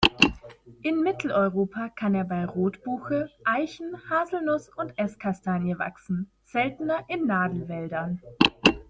In Mitteleuropa kann er bei Rotbuche, Eichen, Haselnuss und Esskastanie wachsen, seltener in Nadelwäldern.